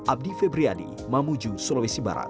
abdi febriadi mamuju sulawesi barat